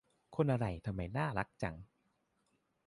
คนอะไรทำไมน่ารักจัง